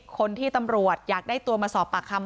คนที่ตำรวจอยากได้ตัวมาสอบปากคำ